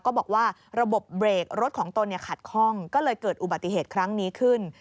ก็บอกว่าระบบเบรกรถของตนขัดคล่องก็เลยเกิดอุบัติเหตุครั้งนี้ขึ้น